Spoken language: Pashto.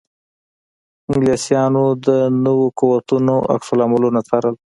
انګلیسیانو د نویو قوتونو عکس العملونه څارل.